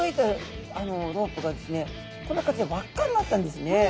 こんな形に輪っかになったんですね。